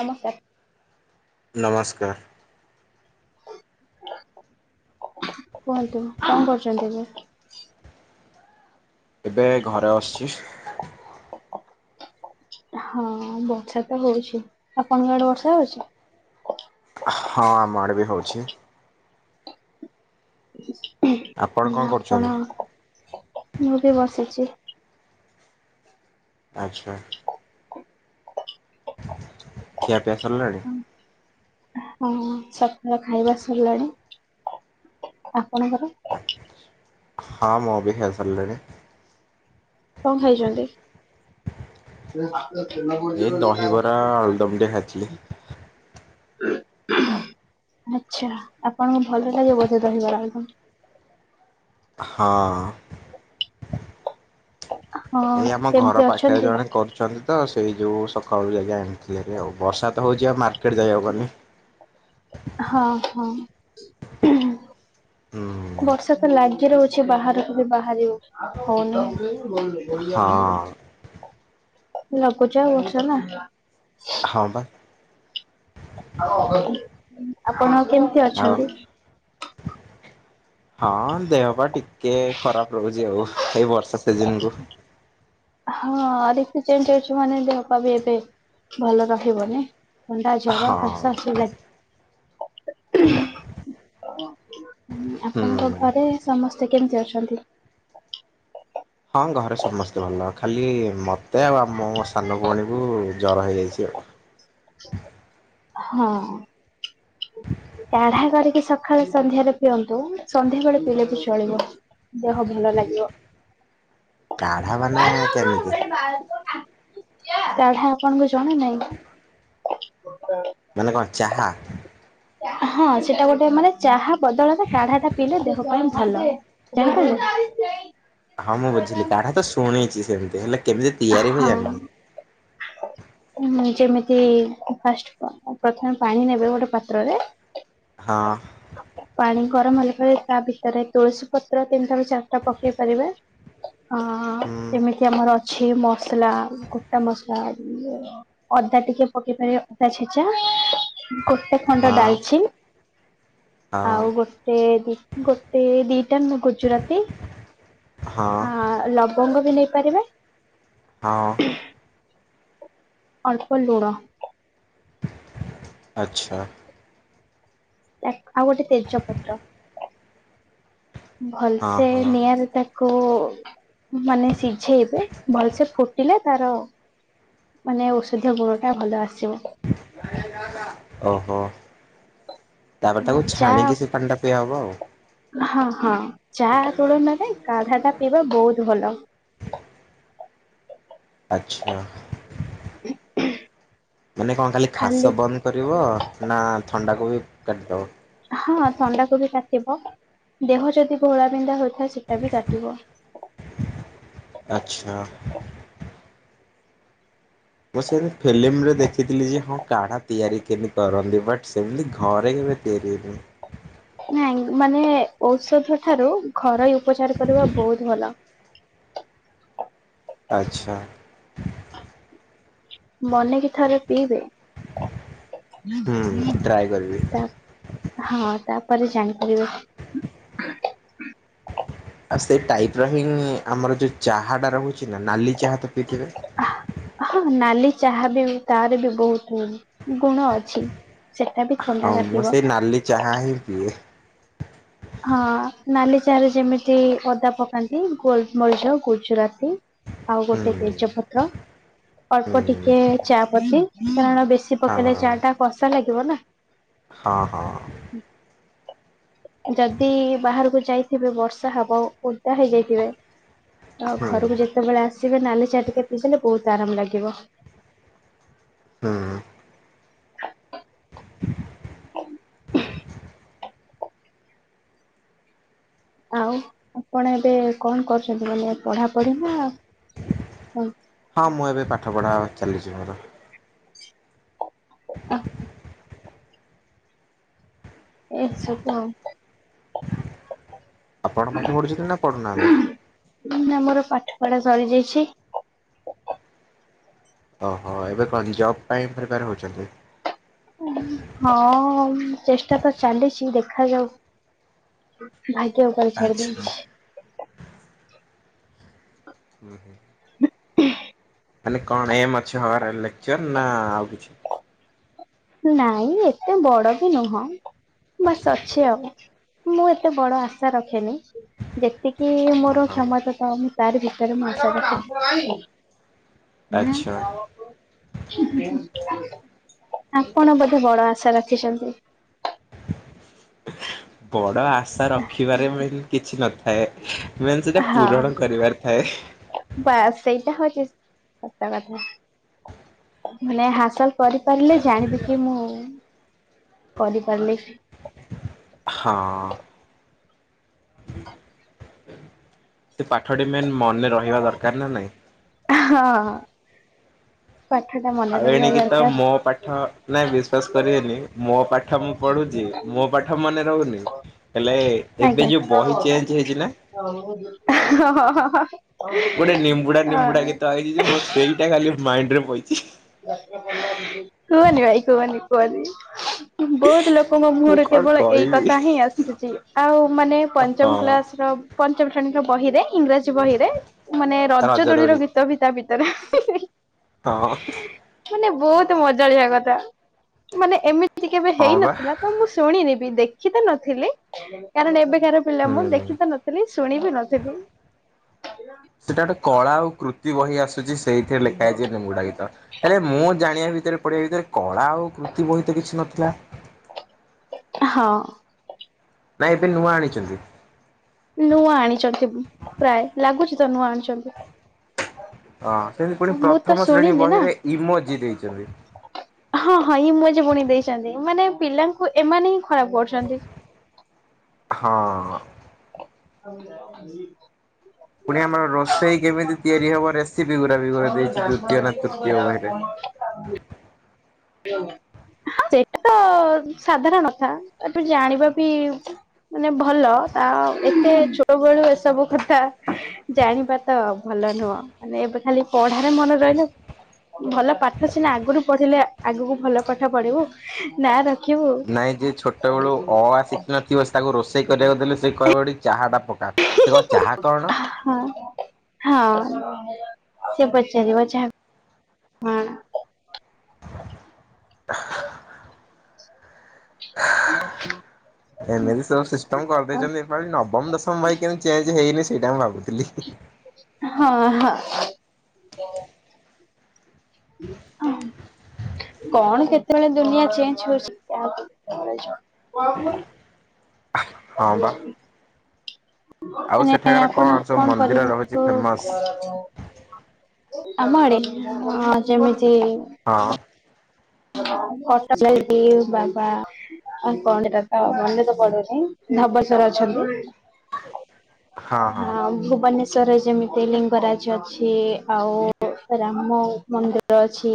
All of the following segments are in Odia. ନମସ୍କାର। ନମସ୍କାର। କୁହନ୍ତୁ କଣ କରୁଛନ୍ତି ଏବେ? ଏବେ ଘରେ ଅଶିଛି। [inaudible] ହଁ ବର୍ଷା ତ ହଉଛି, ଆପଣଙ୍କଆଡେ ବର୍ଷା ହଉଛି? ହୋଉଛି। ଆପଣ କଣ ଆପଣ କରୁଛନ୍ତି? ମୁଁ ବି ବସିଛି। ଆଚ୍ଛା। ଖିଆପିଆ ସରିଲାଣି? ହଁ ସକାଳ ଖାଇବା ସରିଲାଣି। ଆପଣଙ୍କର? ହଁ ମୁ ବି ଖାଇସାରିଲିଣି। କଣ ଖାଇଛନ୍ତି? ଏଇ ଦହିବରା ଅଳୁଦମ ଟିକେ ଖାଇଥିଲି। ଆଛା ଆପଣଙ୍କୁ ଭଲଲାଗେ ବୋଧେ ଦହିବରା ଆଳୁଦମ୍? ହଁ। ହଁ ଏଇ ଆମ କେମିତି ଘର ପାଖରେ ଅଛନ୍ତି? ଜଣେ କରୁଛନ୍ତି ତ ସେଇ ଯୋଗୁ ସକାଳୁ ଜାଇକି ଆଣିଥିଲି ହେରି ଆଉ। ବର୍ଷା ତ ହଉଛି ଆଉ ମାର୍କେ ହଁ ହଁ। ହୁଁ ବର୍ଷା ତ ଲାଗି ରହୁଛି ବାହାରକୁ ବି ବାହାରି ହଉନି ହଉନି। ହଁ ଲଘୁଚାପ ବର୍ଷା ନା। ହଁବା। ଆପଣ କେମିତି ଆଉ ଅଛନ୍ତି? ହଁ ଦେହ ପା ଟିକେ ଖରାପ ରହୁଛି ଆଉ, ଏଇ ବର୍ଷା ସିଜନ କୁ। ହଁ ଋତୁ ଚେଞ୍ଜ ହୋଉଚି ମାନେ ଦେହ ପା ବି ଏବେ ଭଲ ରହିବନି। ଥଣ୍ଡା ଜର ହଁ କାଶ ହଁ ଆପଣଙ୍କ ହୁଁ। ଘରେ ସମସ୍ତେ କେମିତି ଅଛନ୍ତି? ହଁ ଘରେ ସମସ୍ତେ ଭଲ, ଖାଲି ମତେ ଆଉ ଆମ ମୋ ସାନ ଭଉଣୀକୁୁ ଜର ହେଇଯାଇଛି ଆଉ। ହଁ। କାଢା କରିକି ସକାଳେ ସନ୍ଧ୍ୟାରେ ପିଅନ୍ତୁ, ସନ୍ଧ୍ୟା ବେଳେ ପିଇଲେ ବି ଚଳିବ। ଦେହ ଭଲ ଲାଗିବ। କାଢା ମାନେ କେମିତି? କାଢା ଆପଣଙ୍କୁ ଜଣା ନାହିଁ କି? ମାନେ କଣ ଚାହା? ହଁ ସେଟା ଗୋଟେ ମାନେ ଚାହା ବଦଳରେ କାଢା ଟା ପିଇଲେ ଦେହ ପାଇଁ ଭଲ। ଚାହା ପିଇବ ହଁ ମୁଁ ବୁଝିଲି କାଢା ତ ଶୁଣିଛି ସେମିତି ହେଲେ କେମିତି ତିଆରି ହୁଏ ହଁ ଜାଣିନି। [inaudible] ଯେମିତି ଫାଷ୍ଟ ପ୍ରଥମେ ପାଣି ନେବେ ଗୋଟେ ପାତ୍ରରେ। ହଁ। ପାଣି ଗରମ ହେଲା ପରେ ତା ଭିତରେ ତୁଳସୀ ପତ୍ର ତିନିଟା ରୁ ଚାରିଟା ପକେଇ ପାରିବେ। ଅ ହୁଁ ଏମିତି ଆମର ଅଛି ମସଲା ଗୋଟା ମସଲା ଅଦା ଟିକେ ପକେଇ ପାରିବେ ଅଦା ଛେଚା ଗୋଟେ ଖଣ୍ଡ ହଁ ଡାଲଚିନି ଆଉ ହଁ ଗୋଟେ ଦି ଗୋଟେ ଦିଟା ନ ଗୁଜୁରାତି ହଁ। ଆ ଲବଙ୍ଗ ବି ନେଇପାରିବେ ହଁ। ଅଳ୍ପ ଲୁଣ। ଆଚ୍ଛା। ଆଉ ଗୋଟେ ତେଜପତ୍ର। ହଁ ଭଲସେ ହଁ ନିଆଁରେ ତା କୁ ମାନେ ସିଝେଇବେ ଭଲସେ ଫୁଟିଲେ ତାର ମାନେ ଔଷଧୀୟ ଗୁଣ ଟା ଭଲ ଆସିବ। ଓହୋ। ତାପରେ ହଁ ତାକୁ ଚା ଛାଣିକି ସେ ପାଣି ଟା ପିଆହ ହବ ଆଉ। ହଁ ହଁ ଚା ତୁଳନା ପାଇଁ କାଢା ଟା ପିଇବା ବହୁତ ଭଲ। ଆଚ୍ଛା। ମାନେ କଣ ଖାଲି ଖାସ ବନ୍ଦ କରିବ ନା ଥଣ୍ଡାକୁ ବି କାଟିଦବ? ହଁ ଥଣ୍ଡା କୁ ବି କାଟିବ ଦେହ ଯଦି ଭୋଳା ବିିନ୍ଧା ହଉ ସେଟା ବିି କାଟିବ। ଆଚ୍ଛା ମୁଁ ସେମତି ଫିଲ୍ମରେ ଦେଖିଥିଲି ଯେ ହଁ କାଢା ତିଆରି କେମତି କରନ୍ତି ବଟ୍ ସେମିତି ଘରେ ପ୍ରତି ଏରିରେ ନାଇଁ ମାନେ ଔଷଧ ଠାରୁ ଘରୋଇ ଉପଚାର କରିବା ବହୁତ ଭଲ। ଆଚ୍ଛା। ମାନେକି ଥରେ ପିଇବେ। ହୁଁ ଟ୍ରାଏ କରିବି। ତାପ୍ ହଁ ତାପରେ ଜାଣିପାରିବେ। ଆଉ ସେଇ ଟାଇପ ର ହି ଆମର ଯୋଉ ଚାହା ଟା ରହୁଛି ନା ନାଲି ଚାହା ତ ପିଇଥିବେ? ହଁ ନାଲି ଚାହା ବି ତାର ବି ବହୁତ ଗୁଣ ଅଛି। ସେଟା ବି ଥଣ୍ଡା ହଁ ମୁଁ କାଟିବ। ସେ ନାଲି ଚାହା ହିଁ ପିଏ। ହଁ ନାଲି ଚାରେ ଯେମିତି ଓଦା ପକାନ୍ତି ଗୋଲମରିଚ ଗୁଜୁରା ତି ଆଉ ହୁଁ ଗୋଟେ ତେଜପତ୍ର ହୁଁ ଅଳ୍ପ ଟିକେ ଚାଆପତି କାରଣ ବେଶୀ ପକେଇଲେ ହଁ। ଚା ଟା କଷା ଲାଗିବ ନା। ହଁ ହଁ। ଯଦି ବାହାରକୁ ଯାଇଥିବେ ବର୍ଷା ହବ ଓଦା ହେଇଯାଇଥିବେ। ଆ ହୁଁ ଘରକୁ ଯେତେବେଳେ ଆସ ଯିବେ ନହେଲେ ଚା ଟିକା ପିନ୍ଧଲେ ବହୁତ ଆରାମ ଲାଗିବ। ହୁଁ। [inaudible] ଆଉ ଆପଣ ଏବେ କଣ କରୁଛନ୍ତି ମାନେ? ପଢାପଢିିବା ନା କଣ? ହଁ ମୁଁ ଏବେ ପାଠ ପଢ଼ା ଚାଲିଛି ମୋର। [unintelligible] [unintelligible] ଆପଣ ପାଠ ପଢୁଛନ୍ତି ନା ପଢୁନାହାଁନ୍ତି? ନା ମୋର ପାଠ ପଢା ସରିଯାଇଛି। ଓହୋ ଏବେ କଣ ଜବ୍ ପାଇଁ ପ୍ରିପେଆର୍ ହଉଛନ୍ତି? ଉଁ ହଁ ଚେଷ୍ଟା ତ ଚାଲିଛି ଦେଖାଯାଉ। ଭାଗ୍ୟ ଉପରେ ଆଚ୍ଛା। ଛାଡ଼ିଦେଇଛି। ଉଁ ହୁଁ। [inaudible] ମାନେ କଣ ଏମ୍ ଅଛି ହବାର ଲେକ୍ଚର୍ ନା ଆଉ କିଛି? ନାଇଁ ଏତେ ବଡ ବି ନୁହଁ। ବାସ୍ ଅଛି ଆଉ। ମୁଁ ଏତେ ବଡ ଆଶା ରଖେନି। ଯେତିକି ମୋର ଓହୋ କ୍ଷମତା ତ ତାରି ଭିତରେ ମୁଁ ଆଶା ରଖେ। ଆଚ୍ଛା। [unintelligible] ଆପଣ ବୋଧେ ବଡ ଆଶା ରଖିଛନ୍ତି? [inaudible] ବଡ଼ ଆଶା ରଖିବାରେ ମେନ୍ କିଛି ନଥାଏ। ମେନ୍ ସେଇଟା ହଁ ପୂରଣ କରିବାରେ ଥାଏ। ବାସ୍ ସେଇ ସତ କଥା। ମାନେ ହାସଲ କରିପାରିଲେ ଜାଣିବେ କି ମୁଁ କରିପାରିଲି। ହଁ। ସେ ପାଠଟି ମେନ୍ ମନେ ରହିବା ଦରକାର ନା ନାଇଁ। ହଁ। ପାଠ ଟା ମନେ ଆଉ ରହିବା ଏଣିକି ତ ଦରକାର। ମୋ ପାଠ ନାଇଁ ବିଶ୍ଵାସ କରିବେନି ମୋ ପାଠ ମୁଁ ପଢ଼ୁଛି, ମୋ ପାଠ ମନେ ରହୁନି ହେଲେ ଆଜ୍ଞା। ଏବେ ଯୋଉ ହଁ। ବହି ଚେଞ୍ଜ ହେଇଛି ନା ଗୋଟେ ନିମ୍ବୁଡା ନିମ୍ବୁଡା ଗୀତ ଆଇଚି ଯେ ମୋର ସେଇଟା ଖାଲି ମାଇଣ୍ଡରେ ପଇଚି। କୁହନି ଭାଇ କୁହନି କୁହନି। ବହୁତ ଲୋକଙ୍କ ମୁଁ ମୁହଁରୁ କଣ କେବଳ ଏଇ କହିବି କଥା ହିଁ ଆସୁଛି। ଆଉ ମାନେ ପଞ୍ଚମ ହଁ କ୍ଲାସର ପଞ୍ଚମ ଶ୍ରେଣୀର ବହିରେ ଇଂରାଜୀ ବହିରେ ମାନେ ରଜ ଦୋଳିର ଗୀତ ବି ତା ଭି ତରେ ହଁ। ମାନେ ବହୁତ ମଜାଳିଆ କଥା, ମାନେ ଏମି ତି କେବେ ହଁ ହେଇ ବା ନଥିଲା ତ ମୁଁ ଶୁଣିନି ବି, ଦେଖି ତ ନଥିଲି। କାରଣ ଏବେ କାର ପିଲା ମୁଁ ହୁଁ। ଦେଖି ତ ନଥିଲି, ଶୁଣି ବି ନଥିଲି। ଏମିତି ବହି ଆସୁଛି ସେଇଥିରେ ଲେଖା ହେଇଛି ନିମ୍ବୁଡା ଗୀତ। ହେଲେ ମୁଁ ଜାଣିବା ଭି ତରେ ପଢିବା ଭିତରେ କଳା ଆଉ କୃତି ବହି ତ କିଛି ନଥିଲା। ହଁ। ନାଇଁ ଏବେ ନୂଆ ଆଣିଛନ୍ତି। ନୂଆ ଆଣିଛନ୍ତି ପ୍ରାୟ ଲାଗୁଛି ତ ନୂଆ ଆଣିଛନ୍ତି। ହଁ ସେମିତି ପୁଣି ମୁଁ ତ ପ୍ରଥମ ଶ୍ରେଣୀ ଶୁଣିନି ନା। ବହିରେ ଇମୋଜୀ ଦେଇଛନ୍ତି। ହଁ ହଁ ଇମୋଜୀ ପୁଣି ଦେଇଛନ୍ତି ମାନେ ପିଲାଙ୍କୁ ଏମାନେ ହିଁ ଖରାପ କରୁଛନ୍ତି। [unintelligible] ହଁ। [unintelligible] ପୁଣି ଆମର ରୋଷେଇ କେମିତି ତିଆରି ହବ ରେସ୍ ସିପି ଗୁରା ବି [unintelligible] ଦେଇଛି ଦୃତୀୟ ନା ତୃତୀୟ ବହିରେ। [unintelligible] ହଁ ସେଇଟା ତ ସାଧାରଣ କଥା [unintelligible] ଜାଣିବା ବି ମାନେ ଭଲ। ଆଁ ଉ ଏତେ ଛୋଟବେଳୁ ଏସବୁ କଥା ଜାଣିବା ତ ଭଲ ନୁହଁ, ମାନେ ଏବେ ଖାଲି ପଢାରେ ମନେ ରହିଲେ ଭଲ ପାଠ ସିନା ଆଗୁରୁ ପଢିଲେ ଆ ଆଗକୁ ଭଲ ପାଠ ପଢିବୁ, ନାଁ ରଖି ନାଇଁ ଯିଏ ଛୋଟବେଳୁ ଅ ଆ ଶିଖିନଥିବ, ତାକୁ ରୋଷେଇ କରିବାକୁ ଦେଲେ ସେ କହିବ ଏଠି ଚାହାଟା ପକେଇ ହଁ ହଁ। ସେ ପଚାରିବ ଚାହା ହଁ। ହ [inaudible] ମ [inaudible] ଏମିତି ସବୁ ସିଷ୍ଟମ କରିଦେଇଛନ୍ତି ଏ ପାଳି ନବମ ଦଶମ ବହି କେମିତି ଚେଞ୍ଜ ହେଇନି ସେଇଟା ମୁଁ ଭାବୁଥିଲି। ହଁ ହଁ। ହୁଁ। କଣ କେତେବେଳେ ଦୁନିଆ ଚେଞ୍ଜ ହଉଛି ଆୁ ହଁ ଆ ବା। [inaudible] ଆଉ ମାନେ ସେଠାକାର ଆପଣ ସବୁ କଣ ମନ୍ଦିର ରହୁଛି କରିବାକୁ ଫେମସ୍? ଆମ ଆଡେ? ହଁ ଯେମିତି ହଁ [inaudible] ବାବା କଣ ସେଇଟା ତ ମନେ ବି ପଡ଼ୁନି ଧବେଶ୍ଵର ଅଛନ୍ତି। ହଁ ଭୁବନେଶ୍ଵ ଶ୍ୱରରେ ଯେମିତି ଲିଙ୍ଗରାଜ ଅଛି ଆଉ ରାମ ମନ୍ଦିର ଅଛି,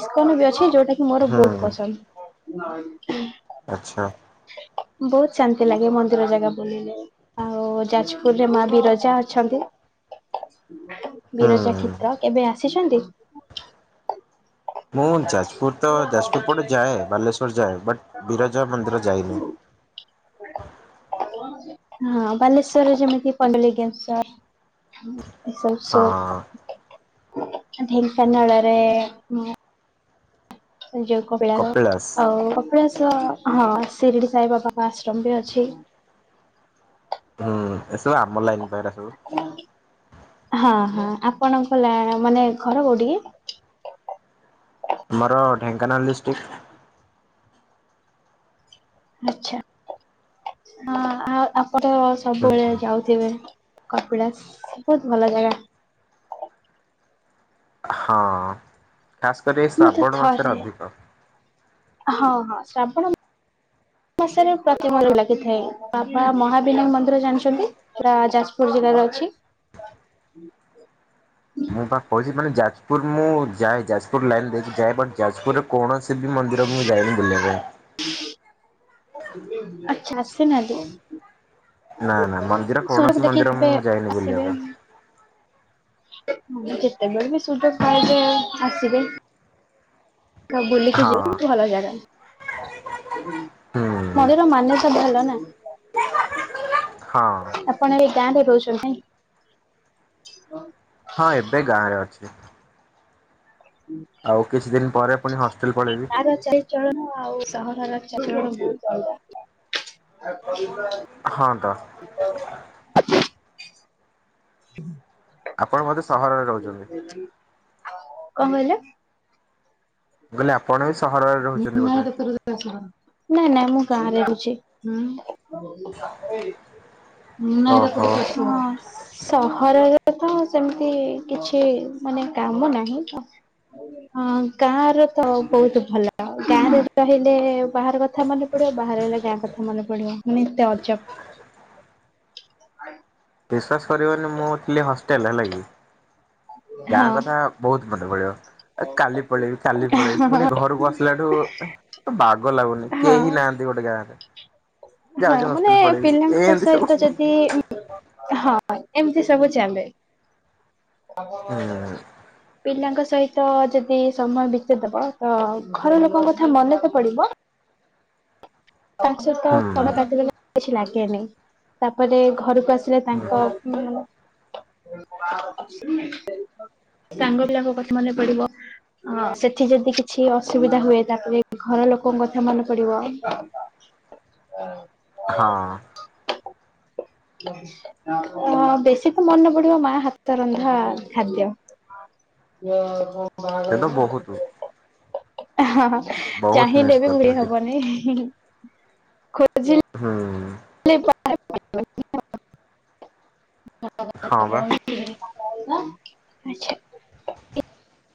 ଇସ୍କନ ବି ଅ ଛି, ଯୋଉଟାକି ମୋର ହୁଁ ବହୁତ ପସନ୍ଦ। ଆଚ୍ଛା। ବହୁତ ଶାନ୍ତି ଲାଗେ ମନ୍ଦିର ଜାଗା ବୁଲିଲେ, ଆଉ ଯାଜପୁରରେ ମା ବିରଜା ଅଛନ୍ତି ହୁଁ। ବିରଜାକ୍ଷେତ୍ର କେବେ ଆସିଛନ୍ତି? ମୁଁ ଯାଜପୁର ତ ଯାଜପୁର ପଟେ ଯାଏ, ବାଲେଶ୍ଵର ଯାଏ ବଟ ବିରଜା ମନ୍ଦିର ଯାଇନି। [inaudible] ହଁ ବାଲେଶ୍ଵରରେ ଯେମିତି ପଣ୍ଡେଲିଙ୍ଗେଶ୍ଵର ଏସବୁ ହଁ ସୋର ଢେଙ୍କାନାଳରେ ଯୋଉ କପିଳାସ ଆଉ କପିଳାସ ହଁ ଶିରିଡି ସାଇବାବାଙ୍କ ଆଶ୍ରମ ବି ଅଛି। ହୁଁ ଏସବୁ ଆମ ଲାଇନ ପା ଏଇରା ସବୁ। ହଁ ହଁ। ଆପଣଙ୍କ ଲା ମାନେ ଘର କୋଉଠିକି? ଆମର ଢେଙ୍କାନାଳ ଡିଷ୍ଟ୍ରିକ୍ଟ। ଆଚ୍ଛା। ହଁ ଆଉ ଆପଣ ହୁଁ। ସବୁବେଳେ ଯାଉଥିବେ କପିଳାସ ବହୁତ ଭଲ ଜାଗା। ହଁ, ଖାସ କରି ଏଇ ମୁଁ ତ ଶ୍ରାବଣ ମାସରେ ଥରେ ଅଧିକ। ହଁ ହଁ। ଶ୍ରାବଣ ମା ମାସରେ ପ୍ରତିମ [unintelligible] ଲାଗିଥାଏ। ବାପା ମହାବିନାୟକ ମନ୍ଦିର ଜାଣିଛନ୍ତି? ପୁରା ଯାଜପୁର ଜିଲ୍ଲାରେ ଅଛି ମୁଁ ବା କହୁଛି ମାନେ ଯାଜପୁର ମୁଁ ଯାଏ ଯାଜପୁର ଲାଇନ ଦେଇକି ଯାଏ, ବଟ୍ ଯାଜପୁରରେ କୌଣସି ସି ବି ମନ୍ଦିରକୁ ମୁଁ ଯାଇନି ବୁଲିବା ପାଇଁ। ଆଚ୍ଛା ଆସି ନାହାଁନ୍ତି? ନା ନା ମନ୍ଦିର କୌଣସି [inaudible] ଦେଖି ମନ୍ଦିର କେବେ ମୁଁ ଯାଇନି ବୁଲିବା ଆସିବେ ପାଇଁ। ଯେତେବେଳେ ବି ସୁଯୋଗ ପାଇବେ ଆସିବେ। ସବୁ ବୁଲିକି ଯିବେ ହଁ [unintelligible] ଭଲ ଜାଗା। ହୁଁ ମନ୍ଦିର ମାନେ ତ ଭଲ ନା। ହଁ ଆପଣ ଏଇ ଗାଁରେ ରହୁଛନ୍ତି ନାଇଁ? ହଁ ଏବେ ଗାଁରେ ଅଛି। ଆଉ କିଛି ଦିନ ପରେ ପୁଣି ହଷ୍ଟେଲ ପଳେଇବି ଗାଁର ଚାଲିଚଳନ ଆଉ ସହରର ଚାଲିଚଳନ ବହୁତ ଅଲଗା। ହଁ ତ ହୁଁ। ଆପଣ ବୋଧେ ସହରରେ ରହୁଛ କଣ କହିଲେ? ମୁଁ କହିଲି ଆପଣ ସହରରେ ରହୁଛନ୍ତି ବୋଧେ ନାଇଁ ନାଇଁ ମୁଁ ଗାଁରେ ରହୁଛି। ଓହୋ ହଁ ସହରରେ ତ କଣ ସେମିତି କିଛି ମାନେ କାମ ନାହିଁ ତ ହଁ ଗାଁ ରେ ତ ବହୁତ ଭଲ। ଗାଁରେ ରହିଲେ ବାହାର କଥା ମନେ ପଡେ ବାହାରେରହିଲେ ଗାଁ କଥା ମନେ ପ ପଡିବ ମୁ ଏତେ ଅଜବ ବିଶ୍ୱାସ କରିବନି ମୁଁ ଥିଲି ହଷ୍ଟେଲ୍ ହେଲା କିି। ହ [unintelligible] ଗାଁ କଥା ବହୁତ ମନେ ପଡିବ କାଲି ପଳେଇବି କାଲି ପଳେଇବି ପୁଣି ଘରକୁ ଆସିଲା ଠୁ ବାଗ ଲାଗୁନି ହଁ। କେହି ନାହାନ୍ତି ଗୋଟେ ଗାଁରେ। ହଁ ଯାଉଛି ମାନେ ହଷ୍ଟେଲ ପଳେଇବି ପିଲାଙ୍କ ଏମିତି ସବୁ ସହିତ ଯଦି ହଁ ଏମିତି ସବୁ ଚାଲେ। ହୁଁ ପିଲାଙ୍କ ସହିତ ଯଦି ସମୟ ବିତେଇଦବ ତ ଘର ଲୋକଙ୍କ କଥା ମନେ ତ ପଡିବ ତାଙ୍କ ସହିତ ହୁଁ [unintelligible] କିଛି ଲାଗେନି। ତାପରେ ଘରକୁ ଆସିଲେ ତାଙ୍କ ହୁଁ [unintelligible] ସାଙ୍ଗ ପିଲାଙ୍କ କଥା ମନେ ପଡିବ ଆ ସେଠି ଯଦି କିଛି ଅସୁବିଧା ହୁଏ ତାପରେ ଘର ଲ ଲୋକଙ୍କ କଥା ମନେ ପଡିବ। ହଁ। [unintelligible] ଓ ବେଶୀ ତ ମନେ ପଡିବ ମା ହାତ ରନ୍ଧା ଖାଦ୍ୟ। ସେ ତ ବହୁତ [unintelligible] ହଁ ବହୁତ ଚାହିଁଲେ ମିସ୍ ବି କରିଛି ଭୁଳି ସେଠି ହବନି ହିଁ ହିଁ। ଖୋଜିଲେ ହୁଁ [unintelligible] ହଁ ବା। [unintelligible] ଆଛା [unintelligible]